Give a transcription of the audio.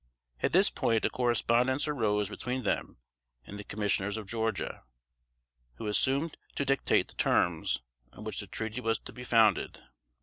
At this point a correspondence arose between them and the commissioners of Georgia, who assumed to dictate the terms on which the treaty was to be founded.